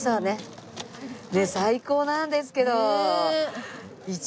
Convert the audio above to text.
ねえ最高なんですけど！